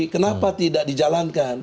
kenapa tidak dijalankan